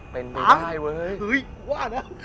เป็นมายุดไว้เว้ยเฮ่ยว่านะ